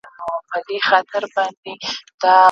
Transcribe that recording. کم اصل ګل که بویوم ډک دي باغونه